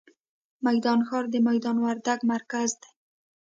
میدان ښار، د میدان وردګ مرکز دی.